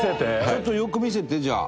ちょっとよく見せてじゃあ。